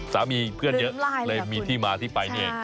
เพื่อนเยอะเลยมีที่มาที่ไปนี่เอง